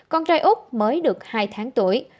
con trai úc mới được hai tháng tuổi